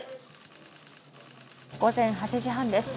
午前８時半です。